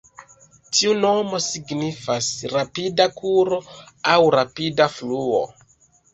Tiu nomo signifas "rapida kuro" aŭ "rapida fluo".